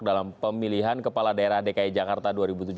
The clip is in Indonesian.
dalam pemilihan kepala daerah dki jakarta dua ribu tujuh belas